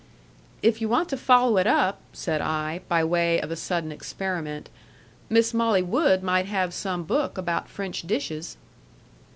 "If you want to follow it up," said I, by way of a sudden experiment, "Miss Molly Wood might have some book about French dishes."